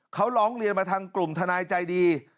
เขาร้องเรียนมาทางกลุ่มทนายใจดี